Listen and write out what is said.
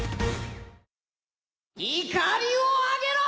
いかりを揚げろ！